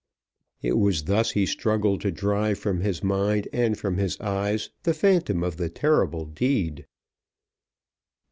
It was thus he struggled to drive from his mind and from his eyes the phantom of the terrible deed.